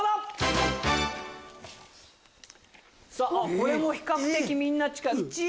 これも比較的みんな近い。